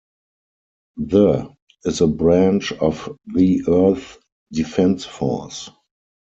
The is a branch of the Earth Defence Force.